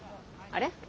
あれ？